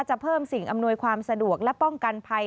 เพิ่มสิ่งอำนวยความสะดวกและป้องกันภัย